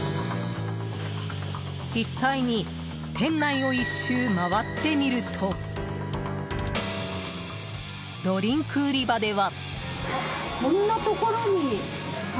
実際に店内を１周、回ってみるとドリンク売り場では。